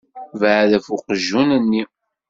Beεεed ɣef uqjun-nni.